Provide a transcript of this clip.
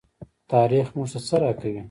تاریخ موږ ته څه راکوي؟